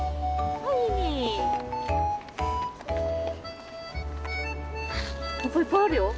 はっぱいっぱいあるよ。